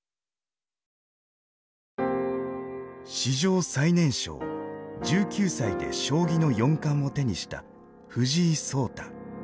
史上最年少１９歳で将棋の四冠を手にした藤井聡太。